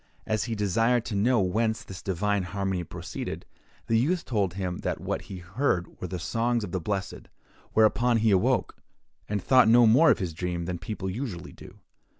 As he desired to know whence this divine harmony proceeded, the youth told him that what he heard were the songs of the blessed; whereupon he awoke, and thought no more of his dream than people usually do.